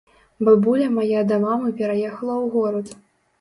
Бабуля мая да мамы пераехала ў горад.